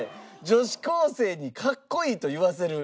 女子高生にかっこいいと言わせる。